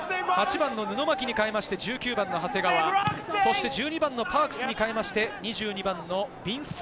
８番・布巻に代えて１９番の長谷川、１２番のパークスに代えて、２２番のヴィンス